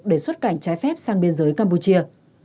để xuất cảnh trái phép sang biên giới campuchia